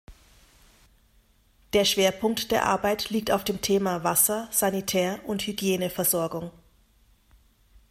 Der Schwerpunkt der Arbeit liegt auf dem Thema Wasser-, Sanitär- und Hygiene-Versorgung.